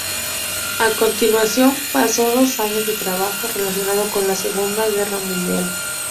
A continuación pasó dos años de trabajo relacionado con la Segunda Guerra Mundial.